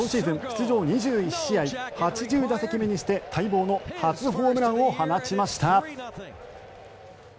出場２１試合８０打席目にして待望の初ホームランを放ちました。